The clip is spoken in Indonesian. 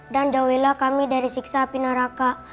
dan jauhilah kami dari siksa api neraka